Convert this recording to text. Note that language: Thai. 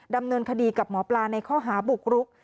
ดำเนินคดีกับหมอปลาในข้อหาบุกรุก